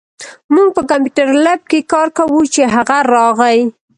مونږ په کمپیوټر لېب کې کار کوو، چې هغه راغی